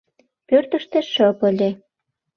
Пӧртыштӧ шып ыле.